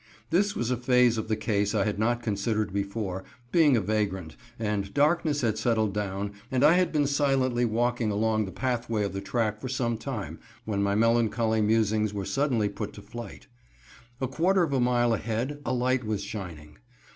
This was a phase of the case I had not considered before, being a vagrant, and darkness had settled down, and I had been silently walking along the pathway of the track for some time, when my melancholy musings were suddenly put to flight. A quarter of a mile ahead a light was shining.